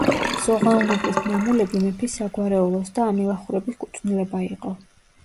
სოღანლუღის მამულები მეფის საგვარეულოს და ამილახვრების კუთვნილება იყო.